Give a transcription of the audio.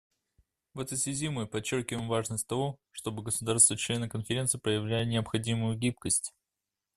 В этой связи мы подчеркиваем важность того, чтобы государства — члены Конференции проявляли необходимую гибкость.